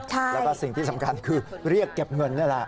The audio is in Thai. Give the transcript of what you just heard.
แล้วก็สิ่งที่สำคัญคือเรียกเก็บเงินนี่แหละ